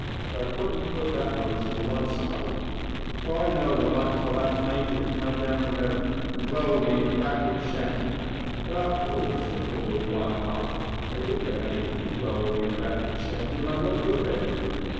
But I quickly putt that notion a one side, for I know'd I might as well ax an angel to come down from heaven an dwell wi' me in a backwoods shanty but, after all," said Paul, with a quiet laugh, "I did get an angel to dwell wi' me in a backwoods shanty when I got you, Betty!